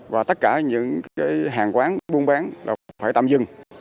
và tất cả những hàng quán buôn bán đều phải tạm dừng